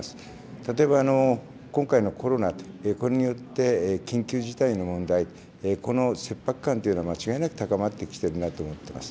例えば今回のコロナ、これによって緊急事態の問題、この切迫感というのは間違いなく高まってきているなと思います。